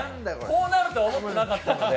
こうなるとは思ってなかったので。